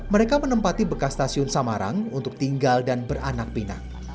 mereka menempati bekas stasiun samarang untuk tinggal dan beranak pinak